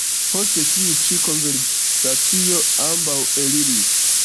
Post tiu ĉi konversacio ambaŭ eliris.